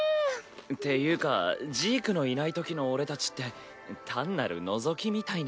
っていうかジークのいないときの俺たちって単なるのぞきみたいな。